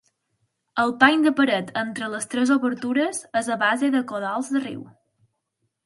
El pany de paret entre les tres obertures és a base de còdols de riu.